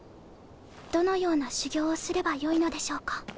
どのような修行をすればよいのでしょうか？